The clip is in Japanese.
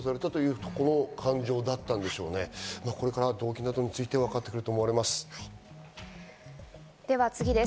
これから動機などについて分かってくると思います。